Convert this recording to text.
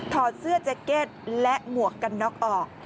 อดเสื้อแจ็คเก็ตและหมวกกันน็อกออก